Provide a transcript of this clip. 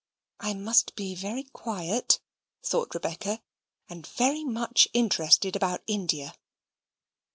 "I must be very quiet," thought Rebecca, "and very much interested about India."